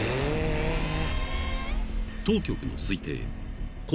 ［当局の推定］